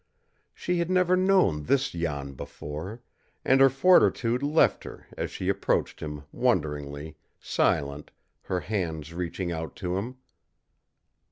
She had never known this Jan before, and her fortitude left her as she approached him, wonderingly, silent, her hands reaching out to him.